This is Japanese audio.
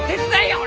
ほら。